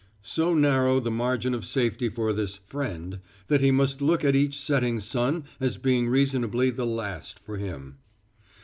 So narrow the margin of safety for this "friend" that he must look at each setting sun as being reasonably the last for him.